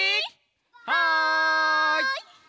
はい！